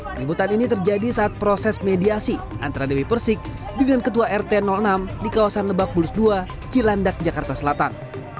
keributan ini terjadi saat proses mediasi antara dewi persik dengan ketua rt enam di kawasan lebak bulus dua cilandak jakarta selatan